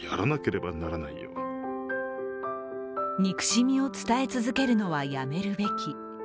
憎しみを伝え続けるのはやめるべき。